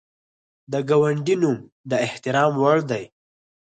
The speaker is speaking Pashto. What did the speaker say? د ګاونډي نوم د احترام وړ دی